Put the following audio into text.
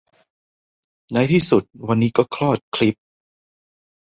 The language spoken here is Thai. ในที่สุดวันนี้ก็คลอดคลิป